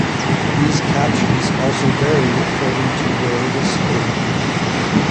These captions also vary according to where it is sold.